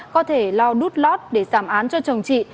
có thể lo đốt lót để giảm án cho chồng chị